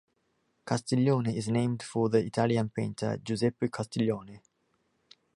Castiglione is named for the Italian painter Giuseppe Castiglione.